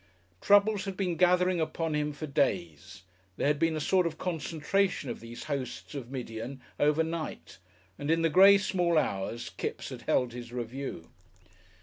Troubles had been gathering upon him for days, there had been a sort of concentration of these hosts of Midian overnight, and in the grey small hours Kipps had held his review.